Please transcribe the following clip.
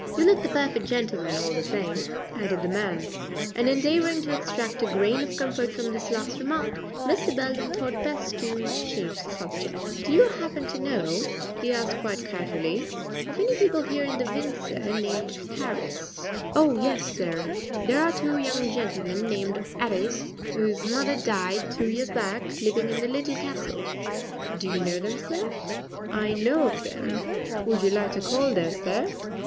"You look the perfect gentleman, all the same," added the man; and endeavoring to extract a grain of comfort from this last remark, Mr. Belden thought best to change the subject. "Do you happen to know," he asked quite casually, "of any people here in Windsor named Harris?" "Oh, yes, sir; there are two young gentlemen named 'Arris, whose mother died two years back, living in the Little Castle. Do you know them, sir?" "I know of them." "Would you like to call there, sir?"